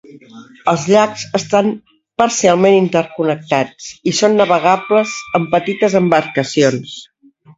Els llacs estan parcialment interconnectats i són navegables amb petites embarcacions.